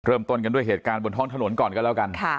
เริ่มต้นกันด้วยเหตุการณ์บนท้องถนนก่อนก็แล้วกัน